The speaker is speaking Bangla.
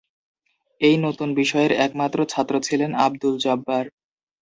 এই নতুন বিষয়ের একমাত্র ছাত্র ছিলেন আবদুল জব্বার।